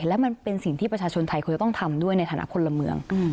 และมันเป็นสิ่งที่ประชาชนไทยควรจะต้องทำด้วยในฐานะคนละเมือง